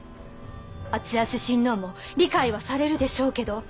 敦康親王も理解はされるでしょうけど。